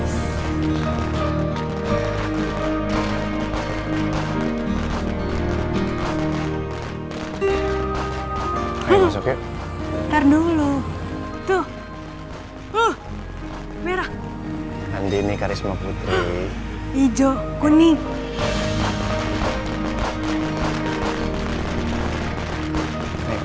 sampai dulu tuh oh merah diri karisma putri hijau kuning